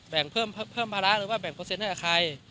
เพิ่มภาระหรือว่าแบ่งเปอร์เซ็นต์ให้กับใคร